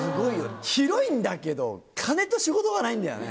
広いんだけど金と仕事がないんだよね。